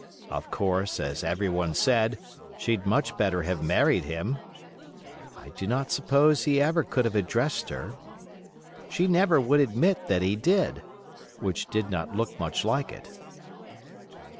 Of course, as every one said, she'd much better have married him. I do not suppose he ever could have addressed her. She never would admit that he did, which did not look much like it.